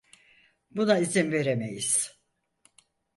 Buna izin veremeyiz.